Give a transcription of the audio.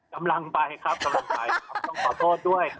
กำลังไปครับต้องขอโทษด้วยครับ